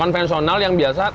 untuk nrm desain prratiw soun